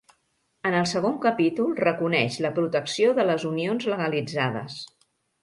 En el segon capítol reconeix la protecció de les unions legalitzades.